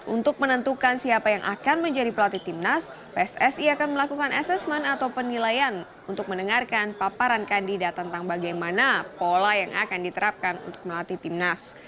untuk menentukan siapa yang akan menjadi pelatih timnas pssi akan melakukan asesmen atau penilaian untuk mendengarkan paparan kandidat tentang bagaimana pola yang akan diterapkan untuk melatih timnas